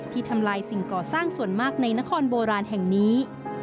ทำลายสิ่งก่อสร้างส่วนมากในนครโบราณแห่งนี้